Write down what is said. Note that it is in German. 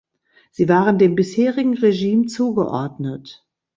Sie waren dem bisherigen Regime zugeordnet.